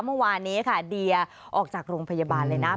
เมื่อวานนี้ค่ะเดียออกจากโรงพยาบาลเลยนะ